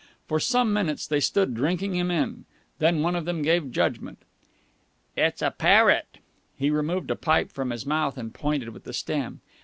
For some minutes they stood drinking him in, then one of them gave judgment. "It's a parrot!" He removed a pipe from his mouth and pointed with the stem.